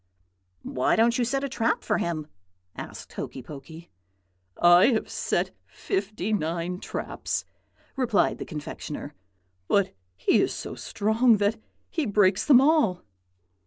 "'Why don't you set a trap for him?' asked Hokey Pokey. "'I have set fifty nine traps,' replied the confectioner, 'but he is so strong that he breaks them all.'